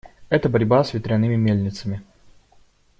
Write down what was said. Это борьба с ветряными мельницами.